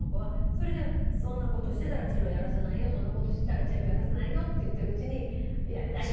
それで「そんな事してたらチェロやらせないよ」「そんな事してたらチェロやらせないよ」って言ってるうちに「やりたい！